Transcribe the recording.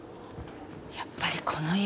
やっぱりこの家変だよ。